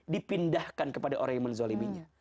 dipindahkan kepada orang yang menzoliminya